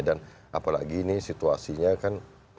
dan apalagi ini situasinya kan empat sebelas dua dua belas